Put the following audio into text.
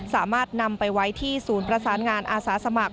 สามารถนำไปไว้ที่ศูนย์ประสานงานอาสาสมัคร